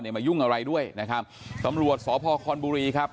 มายุ่งอะไรด้วยนะครับตำรวจสพคอนบุรีครับ